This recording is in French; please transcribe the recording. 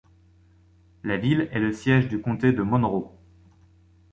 La ville est le siège du Comté de Monroe.